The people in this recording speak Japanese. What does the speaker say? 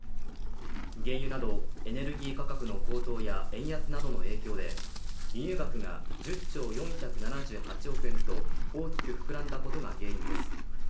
原油などエネルギー価格の高騰や円安などの影響で輸入額が１０兆４７８億円と大きく膨らんだことが原因です。